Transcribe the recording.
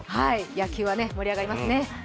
野球は盛り上がりますね。